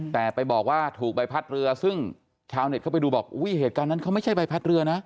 แต่ไปบอกว่าถูกใบพัดเรือซึ่งชาวเน็ตเข้าไปดูบอกอุ้ยเหตุการณ์นั้นเขาไม่ใช่ใบพัดเรือนะ